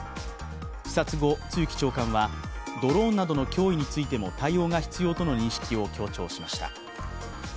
視察後、露木長官はドローンなどの脅威についても対応が必要との認識を強調しました。